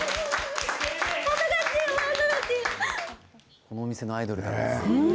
この店のアイドルだな。